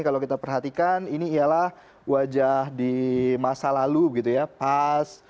kalau kita perhatikan ini ialah wajah di masa lalu gitu ya pas